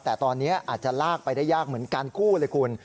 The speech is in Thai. แต่ตอนนี้อาจจะลากไปได้ยากเหมือนการกู้เลยคุณ